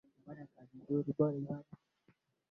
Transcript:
Awali makamu wa Rais ni Dokta Philip Mpango